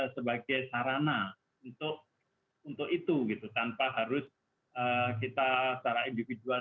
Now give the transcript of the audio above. sebagai sarana untuk itu tanpa harus kita secara individual